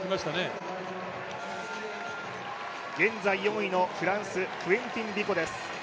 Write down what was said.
現在４位のフランス、クエンティン・ビコです。